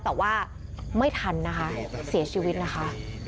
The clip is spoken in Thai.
แต่ว่าไม่ทันนะคะเสียชีวิตนะคะ